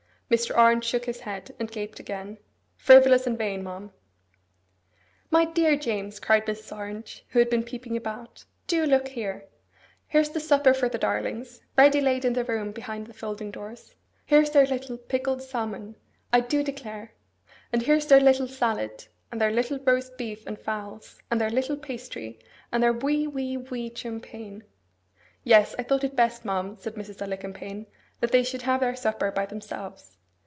Mr. Orange shook his head, and gaped again. 'Frivolous and vain, ma'am.' 'My dear James,' cried Mrs. Orange, who had been peeping about, 'do look here. Here's the supper for the darlings, ready laid in the room behind the folding doors. Here's their little pickled salmon, I do declare! And here's their little salad, and their little roast beef and fowls, and their little pastry, and their wee, wee, wee champagne!' 'Yes, I thought it best, ma'am,' said Mrs. Alicumpaine, 'that they should have their supper by themselves.